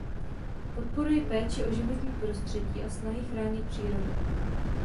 Podporuji péči o životní prostředí a snahy chránit přírodu.